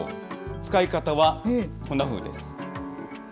使い方はこんなふうです。